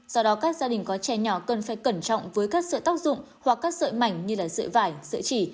do đó các gia đình có trẻ nhỏ cần phải cẩn trọng với các sợi tác dụng hoặc các sợi mảnh như sợi vải sợi chỉ